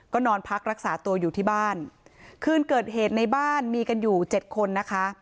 ก็นอนพักรักษาตัวอยู่ที่บ้านคืนเกิดเหตุในบ้านมีกันอยู่เจ็ดคนนะคะ